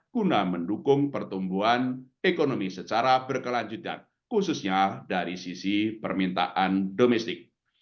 guna mendukung pertumbuhan ekonomi secara berkelanjutan khususnya dari sisi permintaan domestik